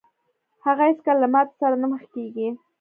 هغه هېڅکله له ماتې سره نه مخ کېږي.